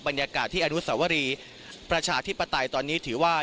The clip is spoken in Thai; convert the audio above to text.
บรรยากาศที่อนุสวรีประชาธิปไตยตอนนี้ถือว่า